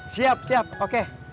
siap siap oke